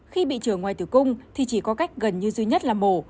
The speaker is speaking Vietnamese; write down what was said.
khi bị trở ngoài từ cung thì chỉ có cách gần như duy nhất là mổ